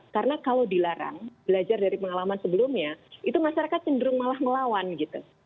karena kalau dilarang belajar dari pengalaman sebelumnya itu masyarakat cenderung malah melawan gitu